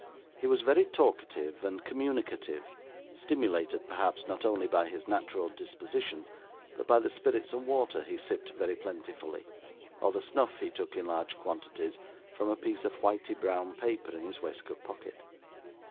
He was very talkative and communicative, stimulated perhaps, not only by his natural disposition, but by the spirits and water he sipped very plentifully, or the snuff he took in large quantities from a piece of whitey brown paper in his waistcoat pocket.